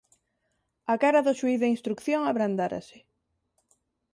A cara do xuíz de instrución abrandárase.